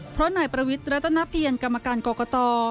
เพราะหน่ายประวิตรตนพิเศษกรรมการกรกต